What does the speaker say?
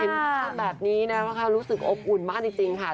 เห็นคุณแบบนี้รู้สึกอบอุ่นมากจริงค่ะ